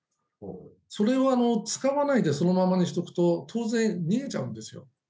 それを使わないでそのままにしておくと当然、逃げちゃうんですよ。